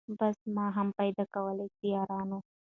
بس ما هم پیدا کولای سی یارانو